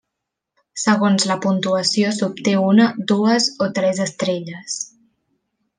Segons la puntuació s'obté una, dues o tres estrelles.